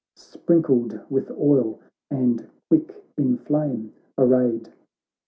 Sprinkled with oil, and quick in flame arrayed.